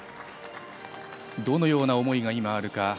どのような思いが今、あるか。